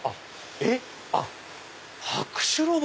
えっ？